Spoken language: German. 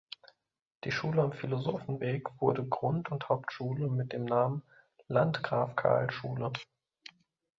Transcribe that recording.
Die Schule am Philosophenweg wurde Grund- und Hauptschule mit dem Namen "Landgraf-Karl-Schule".